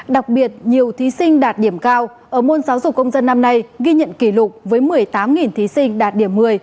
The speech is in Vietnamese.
đặc biệt nhiều thí sinh đạt điểm cao ở môn giáo dục công dân năm nay ghi nhận kỷ lục với một mươi tám thí sinh đạt điểm một mươi